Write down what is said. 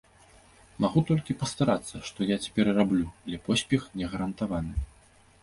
Магу толькі пастарацца, што я цяпер і раблю, але поспех не гарантаваны.